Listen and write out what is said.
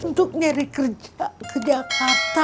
untuk nyari kerja ke jakarta